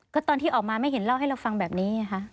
ก็ตอนที่ออกมาไม่เห็นเล่าให้เราฟังแบบนี้ไงคะ